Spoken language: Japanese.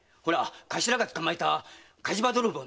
頭が捕まえた火事場泥棒の。